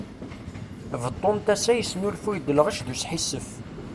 Beṭṭu n tassa yesnulfuy-d lɣec d usḥissef!